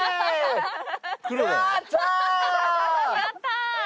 やったー！